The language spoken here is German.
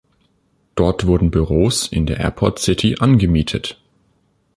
Dort wurden Büros in der Airport City angemietet.